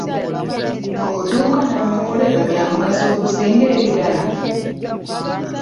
Obuduuka n'amakolero bya mugaso okusinga ebibira?